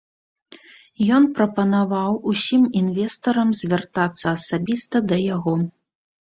Ён прапанаваў усім інвестарам звяртацца асабіста да яго.